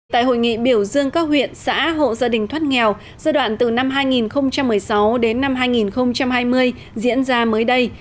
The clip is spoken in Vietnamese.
tại hội nghị biểu dương các huyện xã hộ gia đình thoát nghèo giai đoạn từ năm hai nghìn một mươi sáu đến năm hai nghìn hai mươi diễn ra mới đây